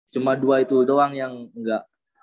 cuma dua itu doang yang enggak